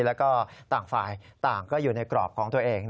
แล้วก็ต่างฝ่ายต่างก็อยู่ในกรอบของตัวเอง